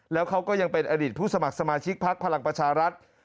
แล้วเขาก็ยังเป็นอดีตผู้สมัครสมาชิกพักพลังประชารัฐ